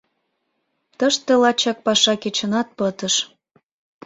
Тыште лачак паша кечынат пытыш.